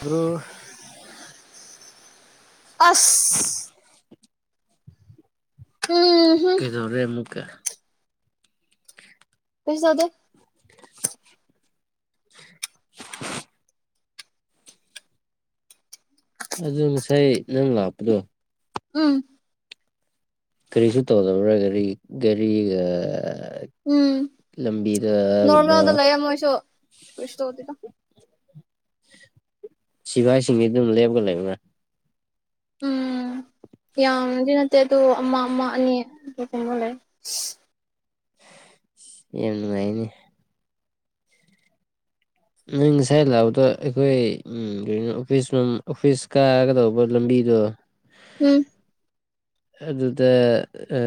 Bro ꯑꯁ ꯎꯝ ꯀꯩꯗꯧꯔꯦꯃꯨꯛꯀꯦ ꯂꯩꯁꯨ ꯇꯧꯗꯦ ꯑꯗꯨ ꯉꯁꯥꯏ ꯅꯪ ꯂꯥꯛꯄꯗꯣ꯫ ꯎꯝ꯫ ꯀꯔꯤꯁꯨ ꯇꯧꯗꯕ꯭ꯔꯥ ꯒꯥꯔꯤ ꯒꯥꯔꯤꯒ ꯎꯝ ꯂꯝꯕꯤꯗꯒꯨꯝꯕ ꯅꯣꯔꯃꯦꯜꯗ ꯂꯩꯔꯝꯃꯣꯏꯁꯨ ꯭ꯔꯤꯁꯇꯣꯗꯤꯗ꯫ ꯁꯤꯚꯥꯏ ꯁꯤꯡꯁꯤ ꯑꯗꯨꯝ ꯂꯦꯞꯒ ꯂꯩꯕ꯭ꯔꯥ? ꯎꯝ ꯌꯥꯝꯗꯤ ꯅꯠꯇꯦ ꯑꯗꯨ ꯑꯃ ꯑꯃ ꯑꯅꯤ ꯑꯗꯨꯒꯨꯝꯕ ꯂꯩ꯫ ꯌꯥꯝꯅꯨꯡꯉꯥꯢꯅꯦ ꯅꯪ ꯉꯁꯥꯏ ꯂꯥꯛꯕꯗꯣ ꯑꯩꯈꯣꯏ ꯀ ꯑꯣꯐꯤꯁ ꯑꯣꯐꯤꯁ ꯀꯥꯒꯗꯧꯕ ꯂꯝꯕꯤꯗꯣ [inaudible] ꯎꯝ ꯑꯗꯨꯗ ꯑ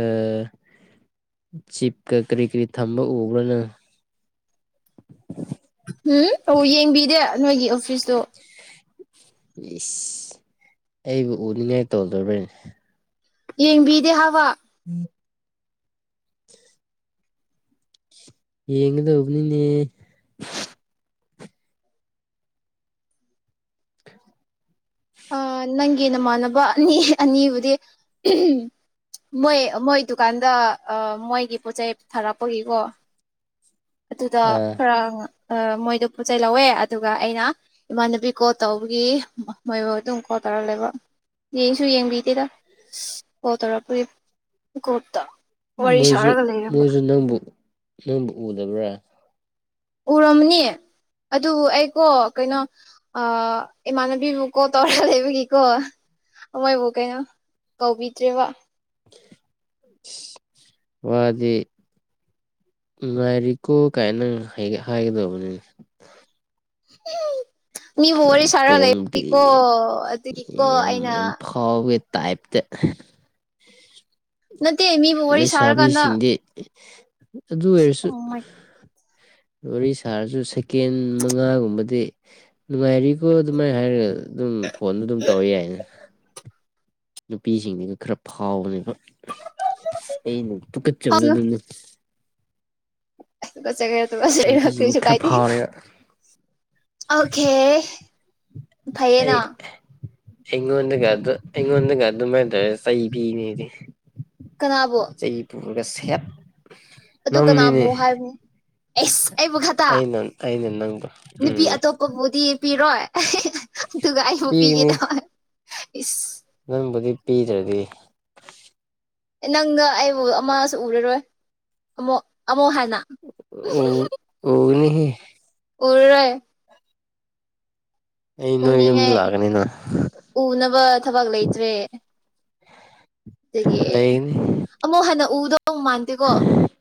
ꯆꯤꯞꯀ ꯀꯔꯤ ꯀꯔꯤ ꯊꯝꯕ ꯎꯕ꯭ꯔꯅ? ꯎꯝ ꯑꯣ ꯌꯦꯡꯕꯤꯗꯦ ꯅꯣꯏꯒꯤ ꯑꯣꯐꯤꯁꯇꯨ꯫ ꯏꯁ ꯑꯩꯕꯨ ꯎꯅꯤꯡꯉꯥꯏ ꯇꯧꯗꯣꯔꯤꯕꯅꯦ? ꯌꯦꯡꯕꯤꯗꯦ ꯍꯥꯋꯥ ꯎꯝ ꯌꯦꯡꯒꯗꯧꯕꯅꯤꯅꯦ꯫ ꯑ ꯅꯪꯒꯤ ꯅꯃꯥꯟꯅꯕ ꯑꯅꯤ ꯑꯅꯤꯕꯨꯗꯤ ꯃꯣꯏ ꯃꯣꯏ ꯗꯨꯀꯥꯟꯗ ꯃꯣꯏꯒꯤ ꯄꯣꯠꯆꯩ ꯊꯥꯔꯛꯄꯒꯤꯀꯣ ꯑꯗꯨꯗ ꯑꯥ ꯈꯔ ꯃꯣꯏꯗꯣ ꯄꯣꯠ ꯆꯩꯩ ꯂꯧꯋꯦ ꯑꯗꯨꯒ ꯑꯩꯅ ꯏꯃꯥꯟꯅꯕꯤ ꯀꯣꯜ ꯇꯧꯕꯒꯤ ꯃꯣꯏꯕꯨ ꯑꯗꯨꯝ ꯀꯣꯜ ꯇꯧꯔꯛꯂꯦꯕ ꯌꯦꯡꯁꯨ ꯌꯦꯡꯕꯤꯗꯦꯗ ꯀꯣꯜ ꯇꯧꯔꯛꯄꯒꯤ꯫ ꯀꯣꯇ ꯃꯣꯏꯁꯨ ꯃꯣꯏꯁꯨ ꯅꯪꯕꯨ ꯅꯪꯕꯨ ꯎꯗꯕ꯭ꯔꯥ? ꯎꯔꯝꯅꯤ ꯑꯗꯨꯕꯨ ꯑꯩꯀꯣ ꯀꯩꯅꯣ ꯑ ꯏꯃꯕꯤꯕꯨ ꯀꯣ ꯇꯔ ꯂꯩꯕ ꯀ ꯀꯣ ꯃꯣꯏꯕꯨ ꯀꯩꯅꯣ ꯀꯧꯕꯤꯗ꯭ꯔꯦꯕ꯫ ꯋꯥꯗꯦ ꯅꯥꯏꯔꯤꯀꯣ ꯀꯥꯏꯅ ꯍꯥꯏꯒꯗꯧꯕꯅꯤ꯫ ꯕꯨ ꯋꯥꯔꯤ ꯌꯥꯝ ꯁꯥꯔ ꯂꯩꯀꯣ ꯄꯣꯡꯕꯒꯤ ꯑꯗꯨꯗꯤꯀꯣ ꯑꯩꯅ ꯍꯒ ꯇꯥꯏꯐꯇ ꯅꯠꯇꯦ ꯃꯤꯕꯨ ꯋꯥꯔꯤ ꯁꯥꯔꯀꯥꯟꯗ ꯂꯩꯁꯥꯕꯤꯁꯤꯡꯗꯤ ꯑꯗꯨ ꯑꯣꯏꯔꯁꯨ ꯋꯥꯔꯤ ꯁꯥꯔꯁꯨ ꯁꯦꯀꯦꯟ ꯃꯉꯥꯒꯨꯝꯕꯗꯤ ꯅꯨꯡꯉꯥꯏꯔꯤꯈꯣ ꯑꯗꯨꯃꯥꯏꯅ ꯍꯥꯏꯔꯒ ꯑꯗꯨꯝ ꯐꯣꯟꯗ ꯑꯗꯨꯝ ꯇꯧꯔ ꯌꯥꯏꯅꯦ꯫ ꯅꯨꯄꯤꯁꯤꯡꯗꯨꯒ ꯈꯔ ꯐꯥꯎꯕꯅꯦꯕ ꯑꯩꯅ ꯄꯨꯀꯠꯆꯕꯗ ꯑꯗꯨꯝ꯫ ꯆꯒꯆ ꯅꯨꯄꯤꯁꯤꯡꯅꯤ ꯀꯁꯨ ꯈꯔ ꯀꯥꯏꯇ ꯐꯥꯎꯔꯦꯕ ꯑꯣꯀꯦ ꯐꯩꯌꯦꯅ ꯑꯩ ꯏꯣꯟꯗꯒ ꯑꯗꯨ ꯏꯣꯟꯗꯒ ꯑꯗꯨ ꯃ ꯇꯧꯔ꯭꯭ ꯁ ꯄꯤꯅꯦꯗꯤ ꯀꯅꯥꯕꯨ? ꯇꯇꯩ ꯄꯨꯔꯒ ꯁꯦꯠ ꯑꯗꯨ ꯅꯪꯅꯤꯅꯦ ꯀꯅꯥꯕꯨ ꯍꯥꯏꯕꯅꯣ ꯑꯦꯁ ꯑꯩꯕꯨ ꯈꯇꯥ ꯑꯩꯅ ꯑꯩꯅ ꯅꯪꯕ ꯅꯨꯄꯤ ꯎꯝ ꯑꯇꯣꯞ ꯀꯕꯨꯗꯤ ꯄꯤꯔꯣꯏ ꯑꯗꯨꯒ ꯑꯩꯕꯨ ꯄꯤꯒꯦ ꯄꯤꯒꯅꯤ ꯇꯃ ꯏꯁꯁ ꯅꯪꯕꯨꯗꯤ ꯄꯤꯗ꯭ꯔꯗꯤ꯫ ꯑꯦ ꯅꯪꯅ ꯑꯩꯕꯨ ꯑꯃꯁꯨ ꯎꯔꯔꯣꯏ ꯑꯃꯨꯛ ꯑꯃꯨꯛ ꯍꯥꯟꯅ꯫ ꯑꯣ ꯑꯣꯅꯤꯍꯦ ꯎꯔꯔꯣꯢ꯫ ꯑꯩ ꯅꯣꯏ ꯌꯨꯝꯗ ꯎꯅꯤꯡꯉꯥꯏ ꯂꯥꯛꯀꯅꯤꯅ ꯎꯅꯕ ꯊꯕꯛ ꯂꯩꯇ꯭ꯔꯦ꯫ ꯑꯗꯨꯒꯤ ꯂꯩꯒꯅꯤ ꯑꯃꯨꯛ ꯍꯥꯟꯟꯅ ꯎꯗꯧ ꯃꯥꯟꯗꯦꯀꯣ꯫ ꯍꯍ [unintelligible]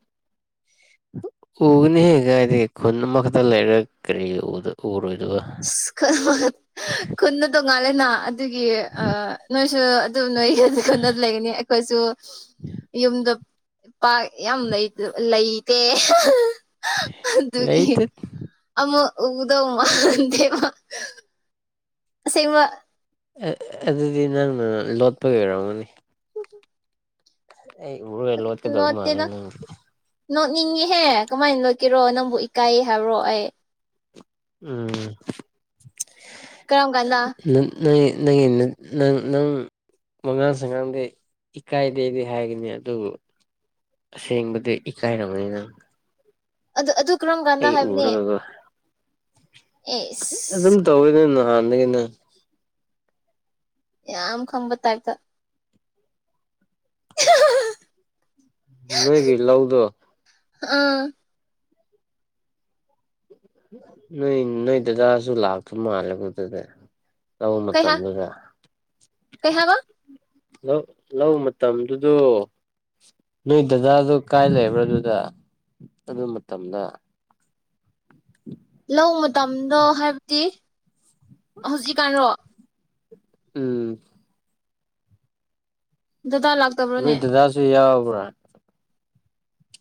ꯎꯒꯅꯤꯍꯦ ꯀꯗꯥꯏꯗꯒꯤ ꯈꯨꯟ ꯑꯃꯈꯛꯇ ꯂꯩꯔꯒ ꯀꯔꯤ ꯎꯔꯣꯏꯗꯕ ꯑꯁ ꯈꯨꯟ ꯈꯨꯟꯗꯨ ꯇꯣꯡꯉꯥꯜꯂꯦꯅ ꯑꯗꯨꯒꯤ ꯅꯣꯏꯁꯨ ꯑꯗꯨꯝ ꯅꯣꯏ ꯂꯩꯒꯅꯤ ꯑꯩꯈꯣꯏꯁꯨ ꯌꯨꯝꯗ ꯄꯥꯛ ꯌꯥꯝ ꯂꯩ ꯂꯩꯇꯦ꯫ [unintelligible] ꯑꯗꯨꯒꯤ ꯂꯩꯇꯦ ꯑꯃꯨꯛ ꯎꯗꯧ ꯃꯥꯟꯗꯦꯕ꯫ ꯑꯁꯦꯡꯕ꯫ ꯑꯗꯨꯗꯤ ꯅꯪꯅ ꯂꯣꯠꯄꯒꯤ ꯑꯣꯏꯔꯝꯒꯅꯤ꯫ ꯑꯩ ꯎꯔꯒ ꯂꯣꯠꯀꯗꯕ ꯅꯣꯠꯇꯦꯗ ꯃꯥꯂꯤ ꯅꯪꯗꯤ꯫ ꯅꯣꯛꯅꯤꯡꯉꯤꯍꯦ ꯀꯃꯥꯏꯅ ꯂꯣꯠꯀꯦꯔꯣ ꯅꯪꯕꯨ ꯏꯀꯥꯏ ꯍꯥꯏꯕꯔꯣ ꯑꯩ꯫ ꯎꯝ꯫ ꯀꯔꯝ ꯀꯥꯟꯗ ꯅꯪ ꯅꯪ ꯅꯪ ꯋꯉꯥꯡ ꯁꯉꯥꯡꯗꯤ ꯏꯀꯥꯏꯗꯦꯗꯤ ꯍꯥꯏꯒꯅꯤ ꯑꯗꯨꯕꯨ ꯑꯁꯦꯡꯕꯗꯤ ꯏꯀꯥꯏꯔꯝꯒꯅꯤ ꯅꯪ ꯑꯗꯨ ꯑꯗꯨ ꯀꯔꯝ ꯀꯥꯟꯗ ꯑꯩ ꯍꯥꯏꯕꯅꯦ꯫ ꯎꯔꯒꯀꯣ ꯑꯦꯁ ꯑꯗꯨꯝ ꯇꯧꯋꯦꯅꯦ ꯅꯍꯥꯟꯅꯗꯒꯤ ꯅꯪ ꯌꯥꯝ ꯈꯪꯕ ꯇꯥꯏꯞꯇ [unintelligible] ꯅꯣꯏꯒꯤ ꯂꯧꯗꯣ꯫ ꯑꯥ꯫ ꯅꯣꯏ ꯅꯣꯏ ꯗꯗꯥꯁꯨ ꯂꯥꯛꯇꯧ ꯃꯥꯜꯂꯦꯕꯗꯨꯗ ꯂꯧ ꯀꯩ ꯍꯥꯏ ꯃꯇꯝꯗꯨꯒ ꯀꯩ ꯍꯥꯏꯕ ꯂꯧ ꯂꯧ ꯃꯇꯝꯗꯨꯗꯣ ꯅꯣꯏ ꯗꯗꯥꯗꯣ ꯀꯥꯏ ꯂꯩꯕ꯭ꯔꯥ ꯑꯗꯨꯗ ꯑꯗꯨ ꯃꯇꯝꯗ ꯂꯧ ꯃꯇꯝꯗꯣ ꯍꯥꯏꯕꯗꯤ ꯍꯧꯖꯤꯛꯀꯥꯟꯔꯣ ꯎꯝ꯫ ꯗꯗꯥ ꯂꯥꯛ ꯅꯣꯏ ꯗꯗꯥꯁꯨ ꯌꯥꯎꯕ꯭ꯔꯥ꯫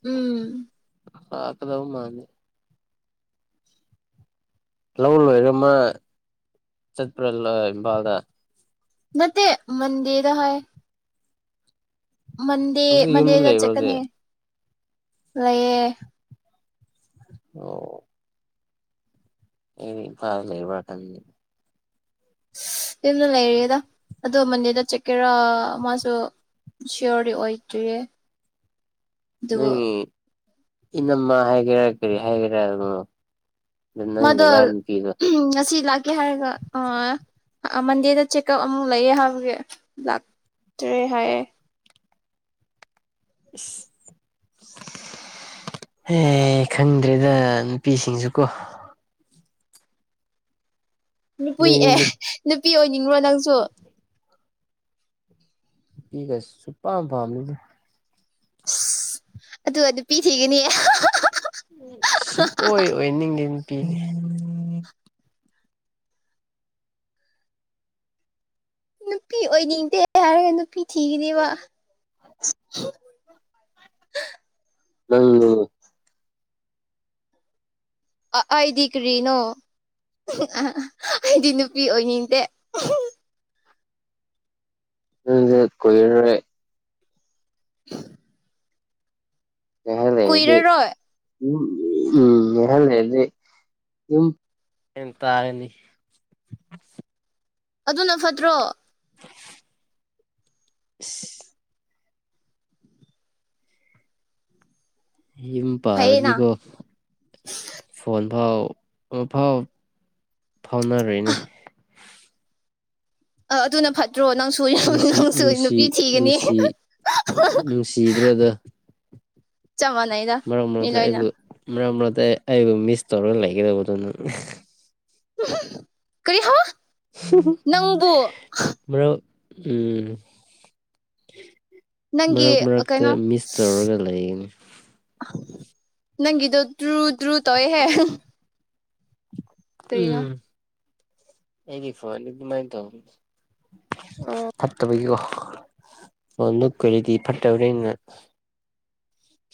ꯎꯝ꯫ ꯀꯗꯧꯕ ꯃꯥꯅꯦ ꯂꯧ ꯂꯣꯏꯔ ꯃꯥ ꯆꯠꯄ꯭ꯔꯥ ꯏꯝꯐꯥꯜꯗ ꯅꯠꯇꯦ ꯃꯟꯗꯦꯗ ꯍꯥꯏ꯫ ꯃꯟꯗꯦ ꯍꯧꯖꯤꯛ ꯌꯨꯝꯗ ꯃꯟꯗꯦꯗ ꯂꯩꯕ꯭ꯔꯥ ꯆꯠꯀꯅꯤ ꯍꯧꯖꯤꯛ ꯂꯩꯌꯦ꯫ ꯑꯣ꯫ ꯑꯦ ꯏꯝꯐꯥꯜ ꯂꯩꯕ꯭ꯔ ꯈꯟꯕ꯫ ꯌꯨꯝꯗ ꯂꯩꯔꯤꯗ ꯑꯗꯣ ꯃꯟꯗꯦꯗ ꯆꯠꯀꯦꯔꯥ ꯃꯥꯁꯨ ꯁꯤꯌꯣꯔꯗꯤ ꯑꯣꯏꯗ꯭ꯣꯏꯔꯤꯌꯦ ꯑꯗꯨꯕꯨ ꯅꯪꯒꯤ ꯏꯅꯝꯃ ꯍꯥꯏꯒꯦꯔꯥ ꯀꯔꯤ ꯍꯥꯏꯒꯦꯔꯥ ꯑꯗꯨ ꯅꯪ ꯃꯥꯗꯣ ꯗꯗꯥ ꯅꯨꯄꯤꯗꯣ ꯉꯁꯤ ꯂꯥꯛꯀꯦ ꯍꯥꯏꯔꯒ ꯑ ꯃꯟꯗꯦꯗ ꯆꯦꯛꯑꯞ ꯑꯃꯨꯛ ꯂꯩꯌꯦ ꯍꯥꯏꯕꯒꯤ ꯂꯥꯛꯇ꯭ꯔꯦ ꯍꯥꯏꯌꯦ [unintelligible] ꯑꯦ ꯈꯪꯗ꯭ꯔꯦꯗ ꯅꯨꯄꯤꯁꯤꯡꯁꯨ ꯀꯣ ꯅꯨꯄꯤ ꯅꯣꯏ ꯌꯨꯝ ꯑꯦ ꯅꯨꯄꯤ ꯑꯣꯏꯅꯤꯡꯕ꯭ꯔꯣ ꯅꯪꯁꯨ ꯅꯨꯄꯤꯒ ꯁꯨꯡꯄꯥꯝ ꯄꯥꯝꯗꯦ ꯑꯁ ꯑꯗꯨꯒ ꯅꯨꯄꯤ ꯊꯤꯒꯅꯤ ꯁꯨꯛꯑꯣꯏ ꯑꯣꯏꯅꯤꯡꯗꯦ ꯅꯨꯄꯤꯗꯤ꯫ ꯅꯨꯄꯤ ꯑꯣꯏꯅꯤꯡꯗꯦ ꯍꯥꯏꯔꯒ ꯅꯨꯄꯤ ꯊꯤꯒꯅꯦꯕ [unintelligible] ꯑꯩꯗꯤ ꯀꯔꯤꯅꯣ [unintelligible] ꯑꯩꯗꯤ ꯅꯨꯄꯤ ꯑꯣꯏꯅꯤꯡꯗꯦ [unintelligible] ꯉꯥꯏꯍꯥꯛ ꯂꯩꯔꯗꯤ ꯀꯨꯏꯔꯔꯣꯏ ꯎꯝ ꯉꯥꯏꯍꯥꯛ ꯂꯩꯔꯗꯤ ꯑꯗꯨꯝ ꯒ꯭ꯌꯥꯟ ꯇꯥꯔꯅꯤ ꯑꯗꯨꯅ ꯐꯠꯇ꯭ꯔꯣ ꯏꯁ ꯌꯨꯝ ꯐꯩꯌꯦꯅ ꯄꯥꯜꯂꯗꯤꯀꯣ ꯐꯣꯟ ꯐꯥꯎ ꯑꯝꯐꯥꯎ ꯐꯥꯎꯅꯔꯣꯏꯅꯦ ꯑ ꯑꯗꯨꯅ ꯐꯠꯇ꯭ꯔꯣ ꯅꯪꯁꯨ ꯅꯨꯡꯁꯤ ꯅꯪꯁꯨ ꯅꯨꯡꯁꯤ ꯅꯨꯄꯤ ꯊꯤꯈꯤꯅꯤ ꯁꯤꯗ꯭ꯔꯗ ꯆꯞ ꯃꯅꯩꯅ ꯃꯔꯛ ꯃꯔꯛꯇ ꯑꯩꯕꯨ ꯃꯔꯛ ꯃꯔꯛꯇ ꯑꯩ ꯑꯩꯕꯨ ꯃꯤꯁ ꯇꯧꯔꯒ ꯂꯩꯒꯗꯨꯕ ꯅꯪ ꯀꯔꯤꯍ ꯕ꯭ꯔꯣ ꯑꯝ ꯅꯪꯒꯤ ꯃꯔꯛ ꯃꯔꯛꯇ ꯀꯩꯅꯣ ꯃꯤꯁ ꯇꯧꯔꯒ ꯂꯩꯌꯦ ꯑꯥ ꯅꯪꯒꯤꯗꯣ ꯗ꯭ꯔꯨꯗ꯭ꯔꯨ ꯇꯧꯏꯍꯦ ꯎꯝ ꯑꯩꯒꯤ ꯐꯣꯟꯗꯤ ꯑꯗꯨꯃꯥꯏꯅ ꯇꯧ ꯑꯣ ꯐꯠꯇꯕꯒꯤꯀꯣ ꯐꯣꯟꯗꯣ ꯀꯨꯏꯔꯗꯤ ꯐꯠꯇꯕꯅꯤꯅ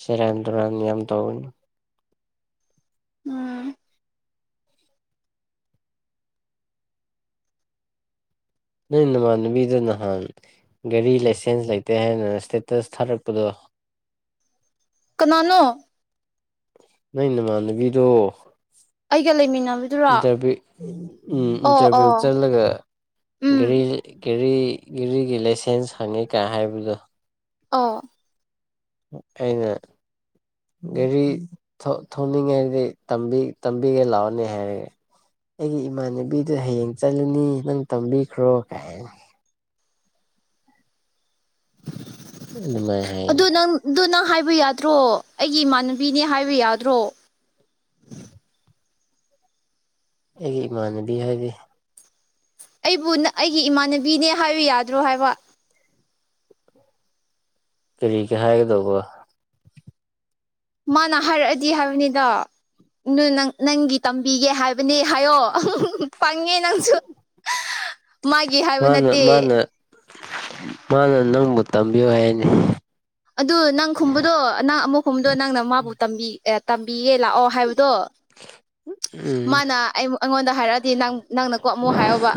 ꯁꯦꯔꯥꯟ ꯇꯨꯔꯥꯟ ꯌꯥꯝ ꯇꯧꯋꯦ ꯎꯝ ꯅꯣꯏ ꯅꯃꯥꯟꯅꯕꯤꯗꯣ ꯅꯍꯥꯟ ꯒꯥꯔꯤ ꯂꯥꯏꯁꯦꯟꯁ ꯂꯩꯇꯦ ꯍꯥꯏꯅ ꯏꯁꯇꯦꯇꯁ ꯊꯥꯔꯛꯄꯗꯣ ꯀꯅꯥꯅꯣ ꯅꯣꯏ ꯅꯃꯥꯟꯅꯕꯤꯗꯣ ꯑꯩꯒ ꯂꯩꯃꯤꯟꯅꯕꯗꯨꯔꯣ ꯏꯟꯇꯔꯚ꯭ꯌꯨ ꯎꯝ ꯑꯣ ꯏꯟꯇꯔꯚ꯭ꯌꯨ ꯑꯣ ꯆꯠꯂꯒ ꯒꯥꯔꯤ ꯎꯝ ꯒꯥꯔꯤ ꯒꯥꯔꯤꯒꯤ ꯂꯥꯏꯁꯦꯟꯁ ꯍꯪꯉꯤ ꯀꯥꯏ ꯍꯥꯏꯕꯗꯣ ꯑꯥ ꯑꯩꯅ ꯒꯥꯔꯤ ꯊꯧ ꯊꯧꯅꯤꯡꯉꯦ ꯍꯥꯏꯗꯤ ꯇꯝꯕꯤ ꯇꯝꯕꯤꯒꯦ ꯂꯥꯎꯅꯦ ꯍꯥꯏꯔꯦꯅꯦ ꯑꯩꯒꯤ ꯏꯃꯥꯟꯅꯕꯤꯗ ꯍꯌꯦꯡ ꯆꯠꯂꯅꯤ ꯅꯪ ꯇꯝꯕꯤꯈ꯭ꯔꯣ ꯀꯥꯏꯅ ꯑꯗꯨꯃꯥꯏꯅ ꯍꯥꯏꯅꯤ ꯑꯗꯨ ꯅꯪ ꯗꯨ ꯅꯪ ꯍꯥꯏꯕ ꯌꯥꯗ꯭ꯔꯣ ꯑꯩꯒꯤ ꯏꯃꯥꯟꯅꯕꯤꯅꯤ ꯍꯥꯏꯕ ꯌꯥꯗ꯭ꯔꯣ ꯑꯩꯒꯤ ꯏꯃꯥꯟꯅꯕꯤ ꯍꯥꯏꯗꯤ ꯑꯩꯕꯨ ꯅꯪ ꯑꯩꯒꯤ ꯏꯃꯥꯟꯅꯕꯤꯅꯦ ꯍꯥꯏꯕ ꯌꯥꯗ꯭ꯔꯣ ꯍꯥꯏꯕ ꯀꯔꯤꯒꯤ ꯍꯥꯏꯒꯗꯧꯕ ꯃꯥꯅ ꯍꯥꯏꯔꯛꯑꯗꯤ ꯍꯥꯏꯕꯅꯤꯗ ꯑꯗꯣ ꯅꯪ ꯅꯪꯒꯤ ꯇꯝꯕꯤꯒꯦ ꯍꯥꯏꯕꯅꯦ ꯍꯥꯏꯌꯣ ꯄꯪꯉꯦ ꯅꯪꯁꯨ ꯃꯥꯒꯤ ꯍꯥꯏꯕ ꯃꯥꯅ ꯅꯠꯇꯦ ꯃꯥꯅ ꯃꯥꯅ ꯅꯪꯕꯨ ꯇꯝꯕꯤꯌꯨ ꯍꯥꯏꯅꯦ ꯑꯗꯨ ꯅꯪ ꯈꯨꯝꯕꯗꯣ ꯅꯪ ꯑꯃꯨꯛ ꯈꯨꯝꯕꯗꯣ ꯅꯪꯅ ꯃꯥꯕꯨ ꯇꯝꯕꯤ ꯇꯝꯕꯤꯌꯦ ꯂꯥꯛꯑꯣ ꯍꯥꯏꯕꯗꯣ ꯎꯝ ꯃꯥꯅ ꯑꯩ ꯑꯩꯉꯣꯟꯗ ꯍꯥꯏꯔꯛꯑꯗꯤ ꯅꯪ ꯅꯪꯅꯀꯣ ꯑꯃꯨꯛ ꯍꯥꯏꯌꯣꯕ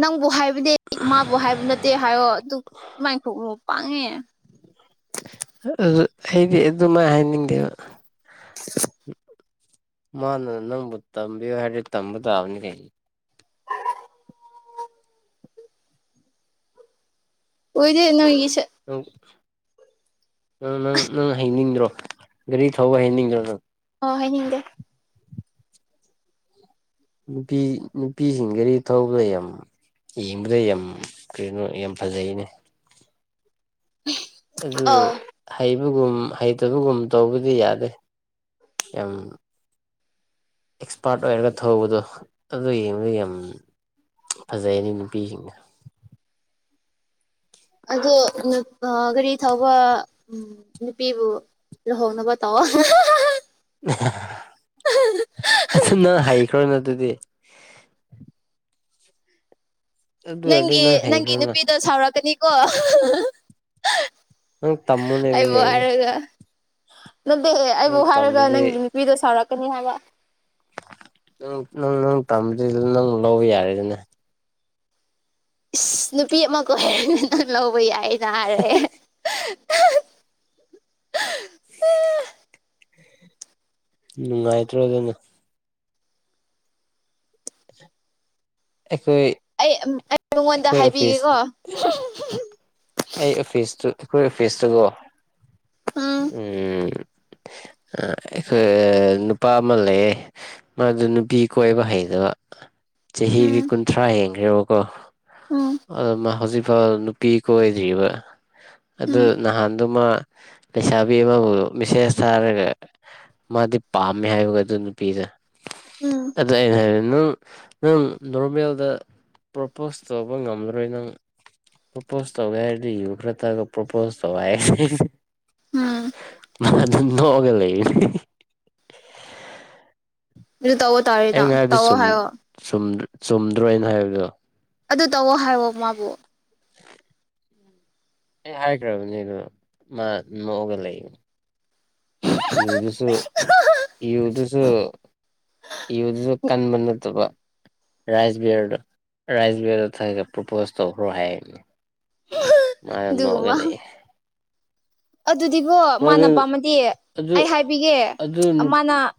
ꯅꯪꯕꯨ ꯍꯥꯏꯕ ꯍꯥꯏꯕꯅꯦ ꯃꯥꯕꯨ ꯍꯥꯏꯕ ꯅꯠꯇꯦ ꯍꯥꯏꯌꯣ ꯑꯗꯨꯛ ꯑꯗꯨꯃꯥꯏꯅ ꯇꯧꯒꯅꯨ ꯄꯥꯡꯉꯦ ꯑꯥ ꯑꯩꯗꯤ ꯑꯗꯨꯃꯥꯏ ꯍꯥꯏꯅꯤꯡꯗꯦꯕ ꯃꯥꯅ ꯅꯪꯕꯨ ꯇꯝꯕꯤꯌꯣ ꯍꯥꯏꯔꯗꯤ ꯇꯝꯕ ꯇꯥꯕꯅꯤꯅꯦ ꯑꯣꯏꯗꯦ ꯅꯣꯏꯒꯤꯁꯦ ꯅꯪ ꯅꯪ ꯅꯪ ꯍꯩꯅꯤꯡꯗ꯭ꯔꯣ ꯒꯥꯔꯤ ꯊꯧꯕ ꯍꯩꯅꯤꯡꯗ꯭ꯔꯣ ꯅꯪ ꯑꯥ ꯍꯩꯅꯤꯡꯗꯦ ꯅꯨꯄꯤ ꯅꯨꯄꯤꯁꯤꯡ ꯒꯔꯤ ꯊꯧꯕꯗ ꯌꯥꯝ ꯌꯦꯡꯕꯗ ꯌꯥꯝ ꯀꯔꯤꯅꯣ ꯌꯥꯝ ꯐꯖꯩꯅꯦ ꯑꯗꯨꯒ ꯑꯧ ꯍꯩꯕꯒꯨꯝ ꯍꯩꯇꯕꯒꯨꯝ ꯇꯧꯕꯗꯤ ꯌꯥꯗꯦ ꯌꯝ ꯑꯦꯛꯁꯄꯥꯔꯠ ꯑꯣꯏꯔꯒ ꯊꯧꯕꯗꯣ ꯑꯗꯨ ꯌꯦꯡꯕꯒꯤ ꯌꯝ ꯐꯖꯩꯅꯦ ꯅꯨꯄꯤꯁꯤꯡꯗꯣ ꯑꯗꯣ [unintelligible] ꯒꯥꯔꯤ ꯊꯧꯕ ꯎꯝ ꯅꯨꯄꯤꯕꯨ ꯂꯨꯍꯣꯡꯅꯕ ꯇꯧꯋꯣ [unintelligible] ꯑꯗꯨ ꯅꯪ ꯍꯩꯈ꯭ꯔꯣꯅ ꯑꯗꯨꯗꯤ ꯑꯗꯨ ꯑꯣꯏꯔꯗꯤ ꯅꯪꯒꯤ ꯅꯪ ꯅꯪꯒꯤ ꯍꯩꯈ꯭ꯔꯣꯅ ꯅꯨꯄꯤꯗꯣ ꯁꯥꯎꯔꯛꯀꯅꯤꯀꯣ ꯅꯪ ꯇꯝꯃꯨ ꯂꯩ ꯑꯩꯕꯨ [unintelligible] ꯍꯥꯏꯔꯒ ꯅꯠꯇꯦꯍꯦ ꯑꯩꯕꯨ ꯍꯥꯏꯔꯒ ꯇꯝꯕꯗꯤ ꯅꯪꯒꯤ ꯅꯨꯄꯤꯗꯣ ꯁꯥꯎꯔꯛꯀꯅꯤ ꯍꯥꯏꯕ ꯅꯪ ꯅꯪ ꯅꯪ ꯇꯝꯖꯤꯜꯂꯣ ꯅꯪ ꯂꯧꯕ ꯌꯥꯔꯦꯗꯅ ꯏꯁ ꯅꯨꯄꯤ ꯑꯃ ꯀꯣꯏ [unintelligible] ꯅꯪ ꯂꯧꯕ ꯌꯥꯏꯒ ꯍꯥꯏꯔꯦ [unintelligible] ꯅꯨꯡꯉꯥꯏꯇ꯭ꯔꯣ ꯑꯗꯨꯅ ꯑꯩꯈꯣꯏ ꯑꯩ ꯑꯝ ꯑꯩ ꯃꯉꯣꯟꯗ ꯑꯩꯈꯣꯏ ꯑꯣꯐꯤꯁ ꯍꯥꯏꯕꯤꯒꯦꯀꯣ ꯑꯩ ꯑꯣꯐꯤꯁꯇꯨ ꯑꯩꯈꯣꯏ ꯑꯣꯐꯤꯁꯇꯨꯒꯣ ꯎꯝ ꯑꯥ ꯑꯩꯈꯣꯏ ꯅꯨꯄꯥ ꯑꯃ ꯂꯩꯌꯦ ꯃꯥꯗꯨ ꯅꯨꯄꯤ ꯀꯣꯏꯕ ꯍꯩꯗꯕ ꯆꯍꯤꯗꯤ ꯎꯝ ꯀꯨꯟꯊ꯭ꯔꯥ ꯍꯦꯟꯈ꯭ꯔꯦꯕꯀꯣ ꯎꯝ ꯑꯗꯣ ꯃꯥ ꯍꯧꯖꯤꯛꯐꯥꯎ ꯅꯨꯄꯤ ꯀꯣꯏꯗ꯭ꯔꯤꯕ ꯑꯗꯨ ꯎꯝ ꯅꯍꯥꯟꯗꯨꯃꯥ ꯂꯩꯁꯥꯕꯤ ꯑꯃꯕꯨ ꯃꯦꯁꯦꯖ ꯊꯥꯔꯒ ꯃꯥꯗꯤ ꯄꯥꯝꯃꯦ ꯍꯥꯏꯕꯒ ꯑꯗꯨ ꯅꯨꯄꯤꯗꯣ ꯎꯝ ꯑꯗꯨ ꯑꯩꯅ ꯍꯥꯏꯔꯦ ꯅꯪ ꯅꯪ ꯅꯣꯔꯃꯦꯜꯗ ꯄ꯭ꯔꯣꯄꯣꯁ ꯇꯧꯕ ꯉꯝꯂꯔꯣꯏ ꯅꯪ ꯄ꯭ꯔꯣꯄꯣꯁ ꯇꯧꯒꯦ ꯍꯥꯏꯔꯗꯤ ꯌꯨ ꯈꯔ ꯊꯛꯑꯒ ꯄ꯭ꯔꯣꯄꯣꯁ ꯇꯧ ꯍꯥꯏ ꯎꯝ ꯃꯥ ꯑꯗꯨꯝ ꯅꯣꯛꯑꯒ ꯂꯩꯌꯦ ꯑꯗꯨ ꯇꯧꯑꯣ ꯇꯥꯔꯦꯅ ꯑꯩꯅ ꯍꯥꯏꯕꯗꯨ ꯇꯧꯑꯣ ꯆꯨꯝ ꯍꯥꯏꯌꯣ ꯆꯨꯝ ꯆꯨꯝꯗ꯭ꯔꯣ ꯑꯩꯅ ꯍꯥꯏꯕꯗꯣ ꯑꯗꯨ ꯇꯧꯋꯣ ꯍꯥꯏꯋꯣ ꯃꯥꯕꯨ ꯑꯩ ꯍꯥꯏꯈ꯭ꯔꯕꯅꯦ ꯑꯗꯣ ꯃꯥ ꯅꯣꯛꯑꯒ ꯂꯩꯌꯦ ꯌꯨꯗꯨꯁꯨ ꯌꯨꯗꯨꯁꯨ ꯌꯨꯗꯨꯁꯨ ꯀꯟꯕ ꯅꯠꯇꯕ ꯔꯥꯏꯁ ꯕꯤꯌꯔꯗꯣ ꯔꯥꯏꯁ ꯕꯤꯌꯔꯗꯣ ꯊꯛꯑꯒ ꯄ꯭ꯔꯣꯄꯣꯁ ꯇꯧꯈ꯭ꯔꯣ ꯍꯥꯏꯕꯅꯦ ꯃꯥꯅ ꯅꯣꯛꯑꯒ ꯂꯩꯌꯦ ꯑꯗꯨꯗꯤꯒꯣ ꯃꯥꯅ ꯃꯣꯏꯗꯨ ꯄꯥꯝꯃꯗꯤ ꯑꯗꯨ ꯑꯩ ꯍꯥꯏꯕꯤꯒꯦ ꯑꯗꯨ ꯎꯝ ꯃꯥꯅ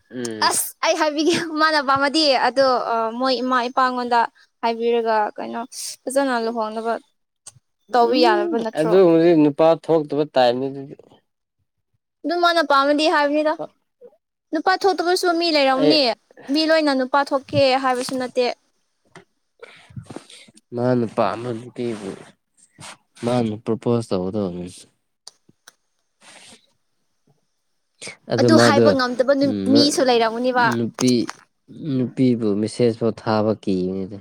ꯑꯁ ꯑꯩ ꯍꯥꯏꯕꯤꯒꯦ ꯃꯥꯟꯅ ꯄꯥꯝꯃꯗꯤ ꯑꯗꯣ ꯑꯥ ꯃꯣꯏ ꯏꯃꯥ ꯏꯄꯥꯉꯣꯟꯗ ꯍꯥꯏꯕꯤꯔꯒ ꯀꯩꯅꯣ ꯐꯖꯅ ꯂꯨꯍꯣꯡꯅꯕ ꯇꯧꯕ ꯎꯝ ꯌꯥꯔꯕ ꯅꯠꯇ꯭ꯔꯣ ꯑꯗꯨꯒꯨꯝꯕꯗꯤ ꯅꯨꯄꯥ ꯊꯣꯛꯇꯕ ꯇꯥꯏꯞꯅꯤ ꯑꯗꯨꯗꯤ ꯗꯨ ꯃꯥꯅ ꯄꯥꯝꯃꯗꯤ ꯍꯥꯏꯕꯅꯤꯗ ꯅꯨꯄꯥ ꯊꯣꯛꯇꯕꯁꯨ ꯃꯤ ꯑꯩ ꯂꯩꯔꯝꯅꯤ ꯃꯤ ꯂꯣꯏꯅ ꯅꯨꯄꯥ ꯊꯣꯛꯀꯦ ꯍꯥꯏꯕꯁꯨ ꯅꯠꯇꯦ [unintelligible] ꯃꯥꯅ ꯄꯥꯝꯕ ꯅꯨꯄꯤꯕꯨ ꯃꯥꯅ ꯄ꯭ꯔꯣꯄꯣꯁ ꯇꯧꯒꯗꯧꯕꯅꯦ ꯑꯗꯨ ꯃꯥꯗꯣ ꯍꯥꯏꯕ ꯉꯝꯗꯕ ꯃꯤꯁꯨ ꯂꯩꯔꯝꯒꯅꯤꯕ ꯎꯝ [unintelligible] ꯄꯤ ꯅꯨꯄꯤꯕꯨ ꯃꯦꯁꯦꯖꯐꯥꯎ ꯊꯥꯕ ꯀꯤꯕꯅꯤꯗ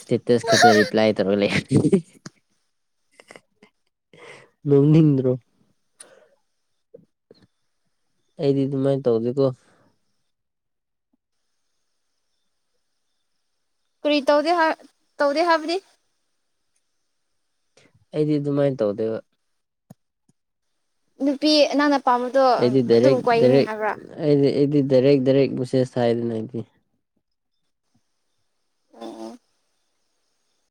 ꯁꯇꯦꯇꯁ ꯈꯥꯇ ꯔꯤꯄ꯭ꯂꯥꯏ ꯇꯧꯔ ꯂꯩ [unintelligible] ꯅꯣꯛꯅꯤꯡꯗ꯭ꯔꯣ ꯑꯩꯗꯤ ꯑꯗꯨꯃꯥꯏ ꯇꯧꯗꯦꯀꯣ ꯀꯔꯤ ꯇꯧꯗꯦ ꯍꯥ ꯇꯧꯗꯦ ꯍꯥꯏꯕꯗꯤ ꯑꯩꯗꯤ ꯑꯗꯨꯃꯥꯏꯅ ꯇꯧꯗꯦꯕ ꯅꯨꯄꯤ ꯅꯪꯅ ꯄꯥꯥꯝꯕꯗꯣ ꯑꯥ ꯑꯩꯗꯤ ꯑꯗꯨꯝ ꯗꯥꯏꯔꯦꯛ ꯀꯣꯏꯒꯅꯤ ꯗꯥꯏꯔꯦꯛ ꯍꯥꯏꯕ꯭ꯔꯥ ꯑꯩꯗꯤ ꯑꯩꯗꯤ ꯗꯥꯏꯔꯦꯛ ꯗꯥꯏꯔꯦꯛ ꯃꯦꯁꯦꯁ ꯊꯥꯏꯗꯅ ꯑꯩꯗꯤ